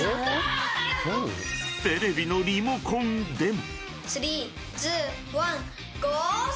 ［テレビのリモコンでも］